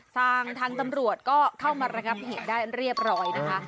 ทางตำรวจก็เข้ามาระงับเหตุได้เรียบร้อยนะคะ